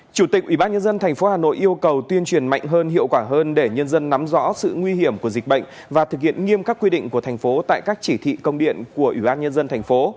chủ tịch ủy ban nhân dân tp hà nội yêu cầu tuyên truyền mạnh hơn hiệu quả hơn để nhân dân nắm rõ sự nguy hiểm của dịch bệnh và thực hiện nghiêm các quy định của thành phố tại các chỉ thị công điện của ủy ban nhân dân tp